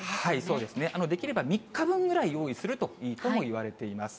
そうですね、できれば３日分ぐらい用意するといいとも言われています。